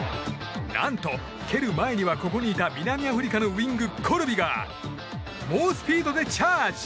何と、蹴る前にはここにいた南アフリカのウイング、コルビが猛スピードでチャージ！